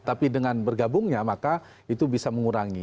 tapi dengan bergabungnya maka itu bisa mengurangi